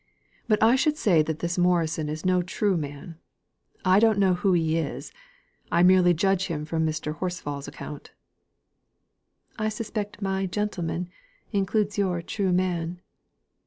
But I should say that this Morison is no true man. I don't know who he is; I merely judge him from Mr. Horsfall's account." "I suspect my 'gentleman' includes your 'true man.